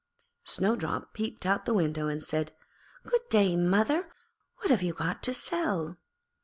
Snowdrop peeped out of the window and said, 'Good day, mother, what have you got to sell?'